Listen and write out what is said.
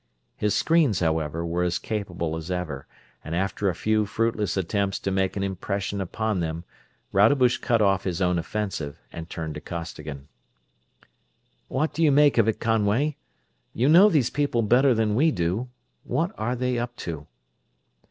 His screens, however, were as capable as ever, and after a few fruitless attempts to make an impression upon them, Rodebush cut off his own offensive and turned to Costigan. "What do you make of it, Conway? You know these people better than we do; what are they up to?"